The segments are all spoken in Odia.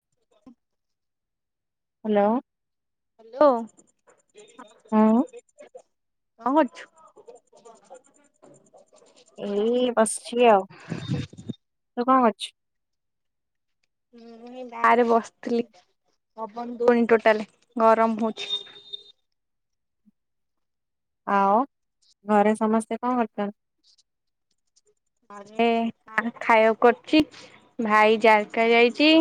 [inaudible] Hello hello. ହଁ କଣ କରଛୁ? ଏଇ ବସିଛି ଆଉ ତୁ କଣ କରୁ ଛୁ ହଁ ମୁ ଗାଁରେ ବସିଥିଲି ହବନ ଦଉନି ଟୋଟାଲ ଗରମ ହଉଛି। ଆଉ ଘରେ ସମସ୍ତେ କଣ କରଛନ୍ତି। ଆରେ ଖାଇବା କରୁଛି ଭାଇ ଜାରକା ଯାଇଛି।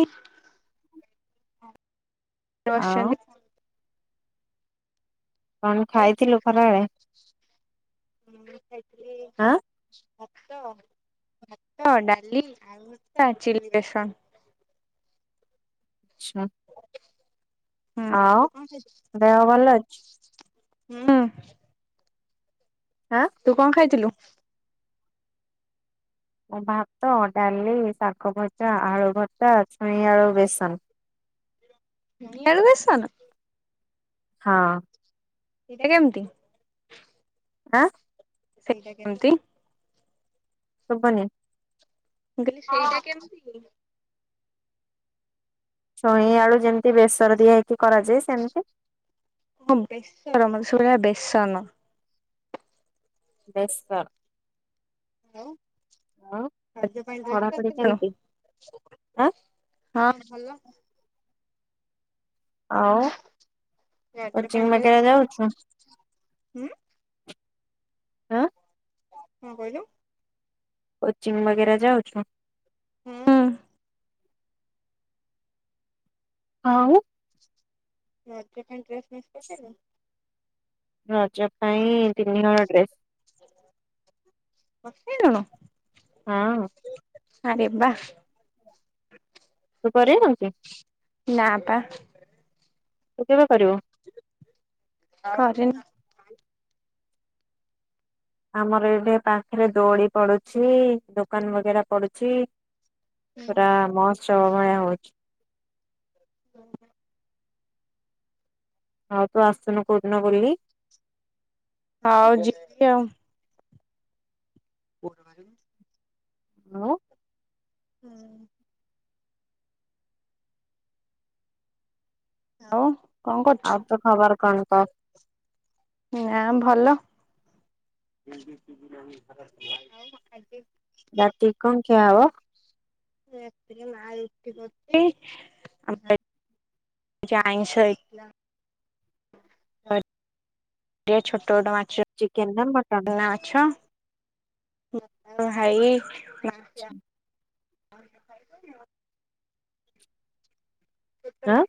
ଆଉ ଅସିଛନ୍ତି। କଣ ଖାଇଥିଲୁ ଖରାଡରେ ଆଁ ଡାଲି ମି ଚିଲି ରସନ ଆଛା, ଆଉ ଦେହ ଭଲ ଅଛି। ହଁ ଆଁ ତୁ କଣ ଖାଇଥିଲୁ? ଭାତ ଡାଲି ଶାଗ ଭଜା ଆଳୁ ଭଜା, ଛୁଇଁଆଳୁ ବେସନ ବେସନ ହଁ। ସେଇଟା କେମିତି? ଆ। ସେଇଟା କେମିତି? ସୁବୁନି। ମୁଁ କହିଲି ସେଇଟା କେମିତି? ଛୁଇଁ ଆଳୁ ଯେମିତି ବେସର ଦିଆ ହେଇକି କରାଯାଏ ସେମିତି। ହଁ ବେଶର ମତେ ସୁୁଭିଲା ବେଶନ। ବେସର । ପଢାପଢି କେମିତି ଆଁ [unintelligible] ଆଉ କୋଚିଂ ବଗେରା ଯାଉଛୁ। ହଁ। କଣ କହିଲୁ? କଚିଂ ବଗେରା ଯାଉଛୁ। ହୁଁ। ଆଉ। ରଜ ପାଇଁ ଡ୍ରେସ [unintelligible] ରଜ ପାଇଁ ତିନି ହଳ ଡ୍ରେସ୍। କିଣିଲୁଣୁ? ହଁ। ଆରେ ବା। ତୁ କରିନୁ କି? ନା ପା। ତୁ କେବେ କରିବ? କରି ନି। ଆମର ଏଠି ପାଖରେ ଦୋଡି ପଡୁଛି ଦୋକାନ ବଗେରା ପଡୁଛି। ପୁରା ମସ୍ତ ଚ ଭଳିଆ ହଉଛି। ହୁଁ। ଆଉ ତୁ ଆସୁନୁ କୋଉଦିନ ବୁଲି? ହଉ ଯିବି ଆଉ। କୋଉରା ମାରିବି? ଆଉ ହୁଁ। ଆଉ କଣ କରୁଛୁ? ଆଉ ତୋ ଖବର କଣ କହ। ନା [unintelligible] ରାତି କଣ ଖିଆ ହବ? ମା ରୁଟି କରିଚି ଆଇଁଷ ହେଇଥିଲା। ଛୋଟ ଛୋଟ ମାଛ। ଚିକେନ ନା ମଟନ୍ ଚୁନା ମାଛ ଭାଇ ହଛ ହ ଆଁ ଉତମ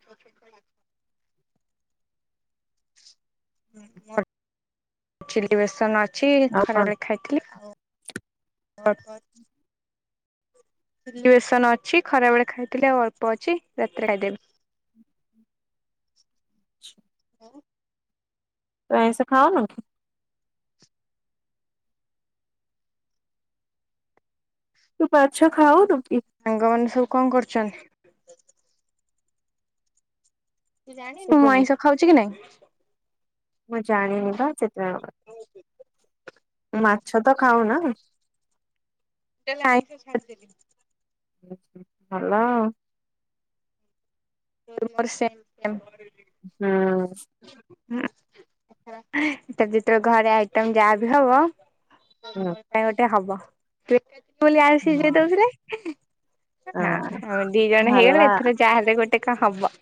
ଚ ବସ କିଛି ଆଉ କଣ ଖରାପଳେ ଖାଇଥିଲି ଆ ହ ହ ଅଛି ଖରା ବେଳେ ଖାଇଥିଲେ ଆଉ ଅଳ୍ପ ଅଛି ରାତିରେ ଖାଇଦେବି [inaudible] ତ ଏସ ଖାଅ ନ ତୁ ପାଚଛା ଖାଓ ନା ସାଙ୍ଗମାନୋନ ସବୁ କଣ କରୁଛନ୍ ଜାଣିନୁ ମୁଁ ଶୁଭୁନି ଆଇଁଷ ଖାଉଛି କି ନାଇଁ ମୁଁ ଜାଣିନି ବା ସେତେବେଳେ ମାଛ ତ ଖାାଉ ନା ତାଲେ ଆଇଛ ଛାଡ଼ ଦେଲି ନଲ ମର ସେ ହୁଁ ହଁ ତ ଯେତେବେଳେ ଘରେ ଆଇଟମ ଯାହାବ ହବ। ହୁଁ ହଁ ଗୋଟେ ହବ। ସେ ବୋଲି ଆସି ଯ ତରେ ହଁ ଆମ ଦି ଜଣ ଭଲ ହେଇଗଲେ ଆଉ ଏଥର ଯାହାଲେ ଗୋଟେ ଟେକା ହ୍ବା [inaudible] [inaudible]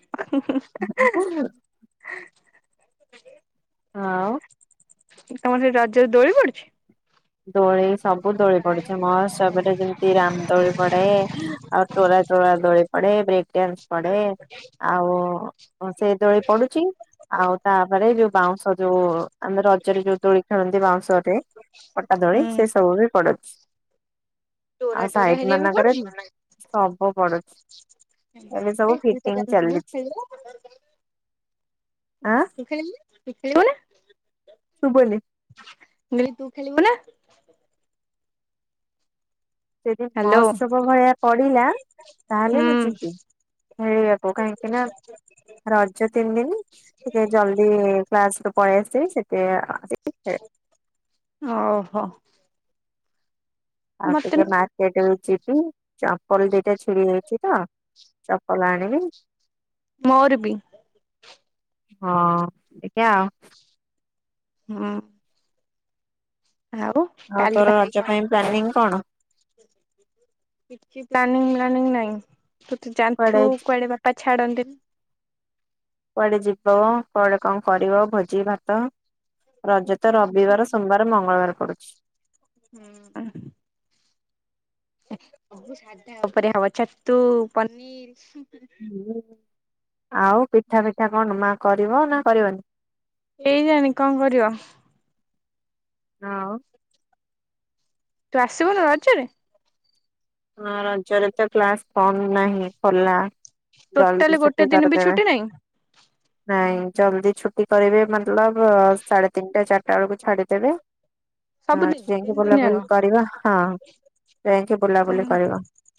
ଆଉ ଉ ତମର ସେ ରଜରେ ଦୋଳି ପଡୁଛି। ଦୋଳି ସବୁ ଦୋଳି ପଡୁଛି ମସ୍ତ ଏଟ ଯେମିତି ରାମ ଦୋଳି ପଡେ ଆଉ ଟୋଳା ଚୋଳା ଦୋଳି ପ ପଢ଼େ ବ୍ରେକ। ପଢ଼େ, ସେ ଦୋଳି ପଡୁଛି ଆଉ ତାପରେ ଯୋଉ ପାଉଁଶ। ଯୋଉ ଆମ ରଜରେ ଯୋଉ ଦୋଳି ଖେଳନ୍ତି ବାଉଁଶରେ ପଟା ଧୋଳି ହୁଁ ସେ ସବୁ ବି ପଡୁଛି। ଆଉ ସାଇଟ ମାନଙ୍କରେ ସବ ପଡୁଛି। ଏବେ ସବୁ ଖ ଫିଟିଙ୍ଗ ଚାଲିଛି ତୁ ଖେଳିବୁ, ଆଁ କିଛି [inaudible] ତୁ ବୋଲେ, ବ ତୁ ଖେଳିବୁ ନା? ଯଦି ହ୍ୟାଲୋ ମହୋତ୍ସବ ଭଳିଆ ପଡିଲା ତାହେଲେ ହୁଁ ମୁଁ ଯିବି ଖେଳିବାକୁ କାହିଁକି ନା ରଜ ତିନି ଦିନ ଟିକେ ଜଲଦି କ୍ଲାସ ରୁ ପଳେଇ ଆସିବି ସେଠ ଓହୋ, ଆଉ ମତେ ଟିକେ ନୁହଁ ମାର୍କେଟ ମୁଁ ଯିବି। ଚପଲ ଦିଟା ଛିଡି ମୋରବୀ ହଁ ଦେଖିବା ଆଉ ହଁ ଆଉ କାଲି ତୋର ଭାଇି ରଜ ପାଇଁ ପ୍ଲାନିଂ କଣ ନାଇଁ, ତୁ ତ କୁଆଡେ ଜାଣିଥିବୁ କୁଆଡେ ବାପା ଛାଡ଼ନ୍ତିିନି। କୁଆଡେ ଯିବ କୁଆଡେ କଣ କରିବ ଭୋଜି ଭାତ ରଜ ତ ରବିବାର ସୋମବାର ମଙ୍ଗଳବାର ପଡୁଛି। ସ ସାଧା ଉପରେ ହବ ଛତୁ ପନିର, ଆଉ ପିଠା ପିଠା କଣ ମା କରିବ ନା କରିବନି, କେଜାଣି କଣ କରିବ। ହଉ [inaudible] ହ ରଜରେ ତ କ୍ଲାସ କମ୍ ନାହିଁ ଖଲା ଟୋଟାଲି ଗୋଟେ ଦିନ ବି ଛୁଟି ନାହିଁ ନାଇଁ ଜଲ୍ଦି ଛୁଟି କରିବେ ମତଲବ ସାଢେ ତିନିଟା ଚାରିଟା ବେଳକୁ ଛାଡିଦେବେ। ହଁ ସବୁଦିନ ଯାଇକି ଦିନି ଯାକ ବୁଲାବୁଲି କରିବା ହଁ ଯାଇକି ବୁଲାବୁଲି।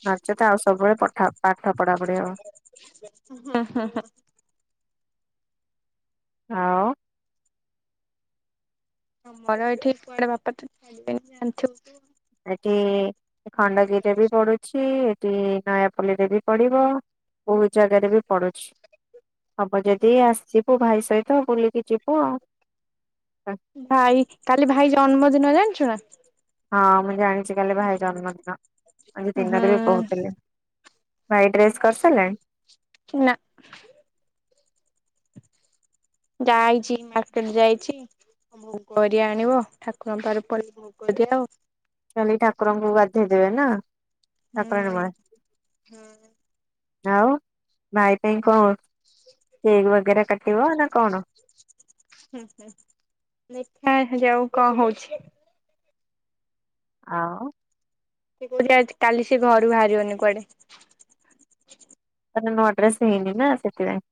ନଚେତ ଆଉ ସବୁବେଳେଠ ପାଠ ପଢା ପଢି ହବ। ହଁ ଆମର ଏଇଠି କୁଆଡେ ବାପା ତ ଛାଡିବେନି ଜାଣିଥିବୁ ତୁ ଆଉ ଏଠି ଖଣ୍ଡଗିରି ରେ ବି ପଡୁଛି। ସେ ନୟାପଲ୍ଲୀ ରେ ବି ପଡିବ ବହୁତ ଜାଗାରେ ବି ପଡୁଛି। ହବ ଯଦି ଆସିବୁ ଭାଇ ସହିତ ତ ବୁଲିକି ଜିବୁ ଆଉ ଭାଇ କାଲି ଭାଇ ଜନ୍ମଦିନ ଜାଣିଚୁ ନା [unintelligible] ହଁ ମୁଁ ଜାଣିଚି କାଲି ଭାଇ ଜନ୍ମଦିନ । ଆଜି ତିନିଟା ହୁଁ ଦେବେ କହୁଥିଲେ । ଭାଇ ଡ୍ରେସ୍ କରିସାରିଲାଣି? କି ନା ଯାଇଚି ମାର୍କେଟ ଯାଇଚି ଭୋଗ ହରିଆ ଆଣିବ । ଠାକୁରଙ୍କ ପାଖରେ ଇ ପ୍ରଥମେ ଭୋଗ ଦିଆହେବ । ଖାଲି ଠାକୁରଙ୍କୁ ଗାଧୋଇ ଦେବେ ନା । ହୁଁ ହୁଁ ଆଉ ଭାଇ ପାଇଁ କଣ କେକ୍ ବଗେରା କାଟି ହେବ ନା କଣ ହୁଁ ହୁଁ ଦେଖା ଯାଉ କଣ ହେଉଚି ହଁ ସେ କହୁଚି କାଲି ସେ ଘରୁ ବାହାରିବନି କୁଆଡେ ତା ନୂଆ ଡ୍ରେସ୍ ହେଇନି ନା ସେଥିପାଇଁ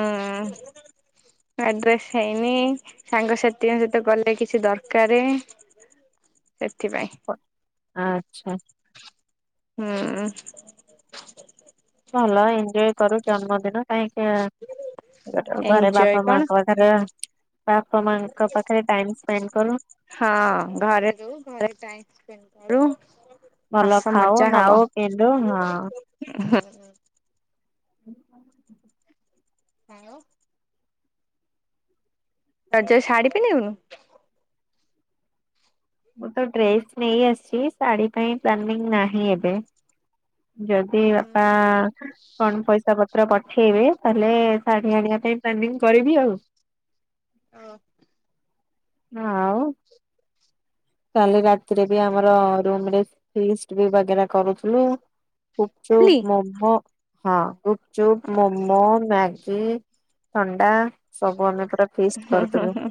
ହଁ ନୂଆ ଡ୍ରେସ୍ ହେଇନି ସାଙ୍ଗସାଥିଙ୍କ ସହିତ ଗଲେ କିଛି ଦରକାର ସେଥିପାଇଁ ଆଚ୍ଛା ହୁଁ ଭଲ ଏଞ୍ଜୟ କରୁ ଜନ୍ମଦିନ କାହିଁକି ଗୋଟେ ଘରେ ଏଞ୍ଜୟ ବାପା କଣ? ମାଙ୍କ ପାଖରେ ବାପ ମାଙ୍କ ପାଖରେ ଟାଇମ ସ୍ପେଣ୍ଡ କର ହଁ ସ୍ପେଣ୍ଡ୍ କରୁ ଭଲ ହସ ଖାଉ ମଜା ହବ ନାଉ ପିନ୍ଧୁ ହଁ ହୁଁ ହଁ ଆଉ ତୁ ଆଜି ଆଉ ଶାଢୀ ପିନ୍ଧିବୁନୁ ମୁଁ ତ ଡ୍ରେସ୍ ନେଇ ଆସିଚି ଶାଢ଼ୀ ପାଇଁ ପ୍ଲାନିଗ୍ ନାହିଁ ଏବେ ଯଦି ବାପା କଣ ପଇସା ପତ୍ର ପ ପଠେଇବେ ତାହେଲେ ଶାଢ଼ୀ ଆଣିବା ପାଇଁ ପ୍ଲାନିଗ୍ କରିବି ଆଉ ଓ। ହଁ ଆଉ କାଲି ରାତି। ସେଥିରେ ବି ଆମର ରୁମରେ। ଫିଷ୍ଟ ବି ବଗେରା କରୁଥିଲୁ। ଖାଲି ପୁପଚୁପ ମୋମ। ହଁ ଗୁପଚୁପ ମୋମୋ ମ୍ୟାଗି ଥଣ୍ଡା। ସବୁ ଆମେ ପା ଫିଷ୍ଟ ହୁଁ କରିଥିଲୁ। ହୁଁ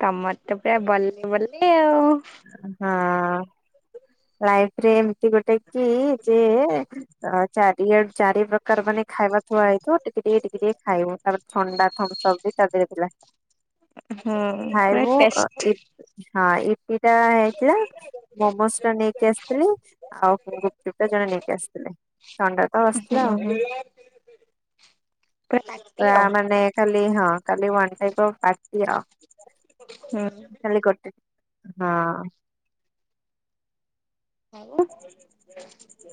ତମର ତ ପୁରା ବଲେେଇ ବଲେ ଆଉ। ହଁ। ଲାଇଫରେ ଏମିତି ଗୋଟେ କି ଯେ ଚାରିଆଡ। ଚାରି ପ୍ରକାର ମାନେ ଖାଇବା ଥୁଆ ହେଇଥିବ ଟିକେ ଟିକେ ଟିକେ ଟିକେ ଖାଇବୁ ତାପରେ ଥଣ୍ଡା ଥମ ସବ ବି ତା ଦେହରେ ଥିଲା ହୁଁ ପୁରା ଖାଇବୁ। ଟେଷ୍ଟ ହଁ ଏଇ। ହେଇଥିଲା ମୋମୋ ଟା ନେଇକି ଆସିଥିଲି ଆଉ ଗୁପଚୁପ୍ଟା ଜଣେ ନେଇକି ଆସିଥିଲେ ଥଣ୍ଡା ତ ଆସିଥିଲା ଆଉ ହୁଁ ପୁରା ପାଟି ପ ଆଉ ମାନେ ଖାଲି ହଁାଲି ଆାେ। ହୁଁ ହଁ। ହ।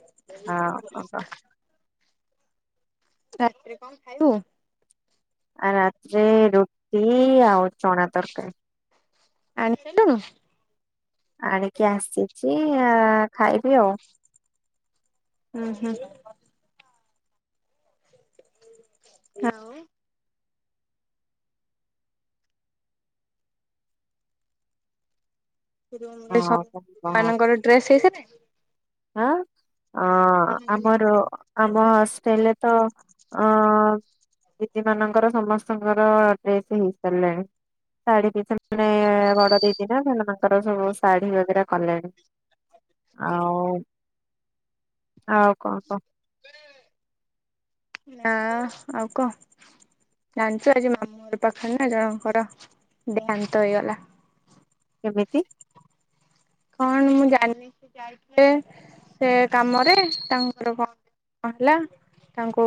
ଆଉ କଣ କହ [inaudible] ରାତି ରେ କଣ ଖାଇଲ। ଆ ରାତିରେ ରୁଟି ଆଉ ଚଣା ତରକାରୀ। ଆଣି ସାରିଲୁଣୁ ଆଣିକି ଆସିଚ। ଅଛି ଖାଇବି ଆଉ। ହୁଁ ହୁଁ। ହଉଁ। ହଁ କଣ ମାନଙ୍କର ଡ୍ରେସ ହେଇ। ହଁ। ଅ ଆମର ଆମ। ଲେ ତ ଅ ଦିଦି ମାନଙ୍କର ସମସ୍ତଙ୍କର ଡ୍ରେସ ହେଇସାରିଲଣି ଶାଢୀ ପ। ମାନେ ବଡ ଦେଇ। ନା ସେ ତାଙ୍କର ସବୁ ଶାଢୀ ବଗେରା କଲେଣି ଆଉ। ହଉ କହ କହ। ନା ଆଉ କଣ ଜାଣିଛୁ ଆଜି ମାମୁଁ ପାଖରେ ନା ଜଣଙ୍କର ଦେହାନ୍ତ ହେଇଗଲା। କେମିତି। କଣ ମୁଁ ଜାଣିନି ସେ ଯାଇଥିଲେ ସେ କାମରେ ତାଙ୍କର କଣ କଣ ହେଲା ତାଙ୍କୁ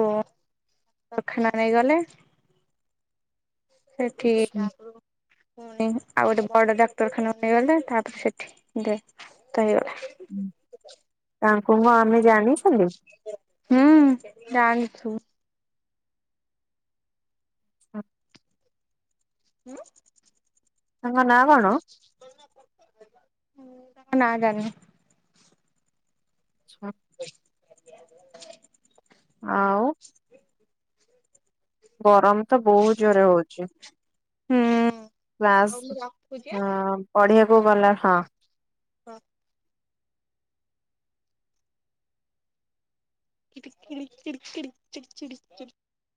ଦଖାନ ନେଇଗଲେ। ସେ ଠିକଠା। ପୁଣି ଆଉ ଗୋଟେ ବଡ ଡାକ୍ତରଖାନା ନେଇଗଲେ ତାପରେ ସେଠି ଦେ ତ ହେଇଗଲା। ତାଙ୍କୁ ମୁ ଆମେ ଜାଣିଛନ୍ତିୁ। ହୁଁ ଜାନୁଚୁ। ହଁ ହଁ ହଙ୍ଗ ନା ବାଣୋ ନାଁ ଜେ ଛଁ [inaudible] ହଉ ଗରମ ତ ବହୁତ ଜୋରେ ହଉଛି ହୁଁ କ୍ଲାସ ପଢେଇ ଗୋ ବାଲା ହଁ ହଁ କି ଚ ଚ